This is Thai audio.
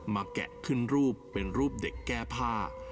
แกะขึ้นรูปเป็นรูปเด็กแก้ผ้า